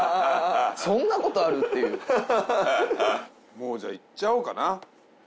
もうじゃいっちゃおうかな。